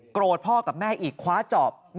พ่อกับแม่อีกคว้าจอบ